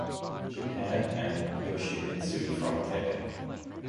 Japan" and Yoshimitsu from "Tekken".